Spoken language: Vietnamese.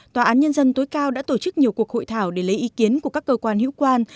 tòa án nhân dân tối cao đã tổ chức nhiều cuộc hội thảo để lấy ý kiến của các cơ quan hữu quan